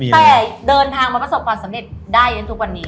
แต่เดินทางมาประสบความสำเร็จได้ทุกวันนี้